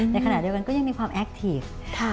ในขณะเดียวกันก็ยังมีความแอคทีฟ